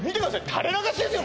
垂れ流しですよ